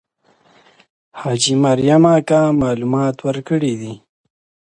حاجي مریم اکا معلومات ورکړي دي.